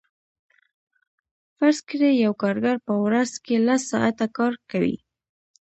فرض کړئ یو کارګر په ورځ کې لس ساعته کار کوي